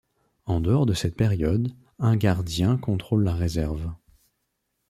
En dehors de cette période, un gardien contrôle la réserve.